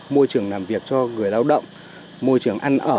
môi trường làm việc cho người lao động môi trường ăn ở